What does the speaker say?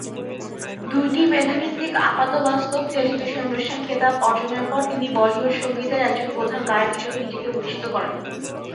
দুইটি মেধা ভিত্তিক আপাতবাস্তব টেলিভিশন অনুষ্ঠান খেতাব অর্জনের পর, তিনি বলিউড সঙ্গীতের একজন প্রধান গায়ক হিসাবে নিজেকে প্রতিষ্ঠিত করেন।